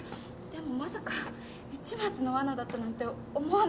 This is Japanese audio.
でもまさか市松のわなだったなんて思わなくて。